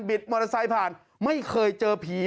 มอเตอร์ไซค์ผ่านไม่เคยเจอผี